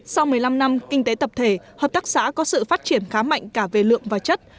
sau một mươi năm năm kinh tế tập thể hợp tác xã có sự phát triển khá mạnh cả về lượng và chất